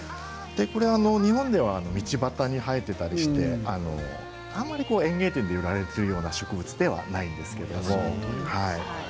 日本では道端に生えていたりしてあんまり園芸店で売られているような植物ではないんですけれど。